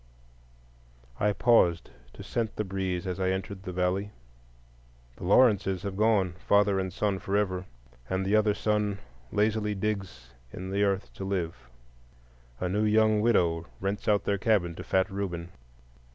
I paused to scent the breeze as I entered the valley. The Lawrences have gone,—father and son forever,—and the other son lazily digs in the earth to live. A new young widow rents out their cabin to fat Reuben.